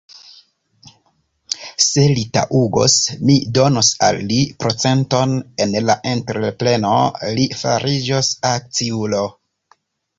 Se li taŭgos, mi donos al li procenton en la entrepreno; li fariĝos akciulo.